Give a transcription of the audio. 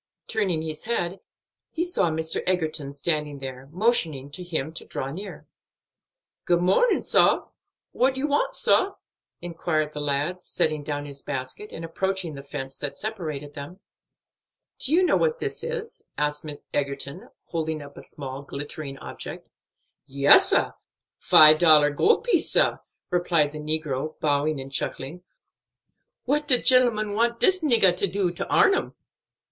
Turning his head, he saw Mr. Egerton standing there, motioning to him to draw near. "Good mornin', sah. What you want, sah?" inquired the lad, setting down his basket, and approaching the fence that separated them. "Do you know what this is?" asked Egerton, holding up a small glittering object. "Yes, sah; five dollar gold piece, sah," replied the negro, bowing and chuckling. "What de gentleman want dis niggah do for to arn 'em?"